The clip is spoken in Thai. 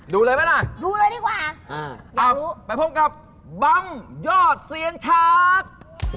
ดูเลยไหมล่ะดูเลยดีกว่าอย่ารู้ไปพบกับบำยอดเสียงชาติ